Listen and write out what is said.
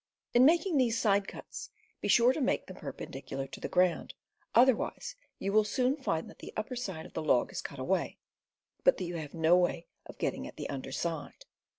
In making these side cuts, be sure to make them perpendicular to the ground; otherwise you will soon find that the upper side of the log is cut away, but that you have no way of getting at the under side.